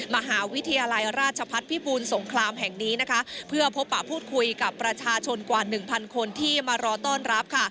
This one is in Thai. มหาวิทยาลัยราชพัฒน์พิบูลสงครามแห่งนี้นะคะเพื่อพบปะพูดคุยกับประชาชนกว่าหนึ่งพันคนที่มารอต้อนรับค่ะ